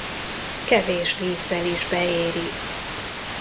Kevés vízzel is beéri.